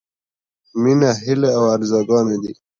— مينه هيلې او ارزوګانې دي.